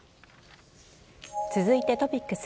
続いてトピックス。